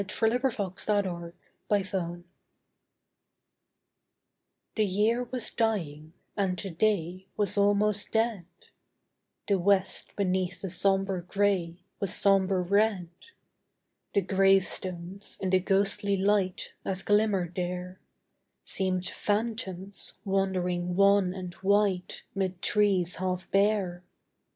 THE LEGEND OF THE STONE The year was dying, and the day Was almost dead; The west, beneath a sombre gray, Was sombre red: The gravestones in the ghostly light, That glimmered there, Seemed phantoms, wandering wan and white, 'Mid trees half bare.